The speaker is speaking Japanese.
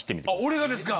俺がですか？